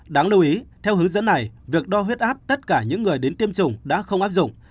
đáng lưu ý theo hướng dẫn này việc đo huyết áp tất cả những người đến tiêm chủng đã không áp dụng